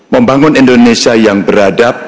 membangun indonesia yang beradab